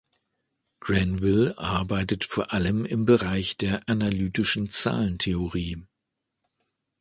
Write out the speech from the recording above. Granville arbeitet vor allem im Bereich der analytischen Zahlentheorie.